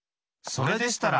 それでしたら！